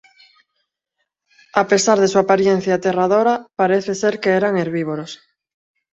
A pesar de su apariencia aterradora, parece ser que eran herbívoros.